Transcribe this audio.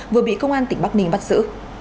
vừa bị công an tỉnh bắc ninh bắt giữ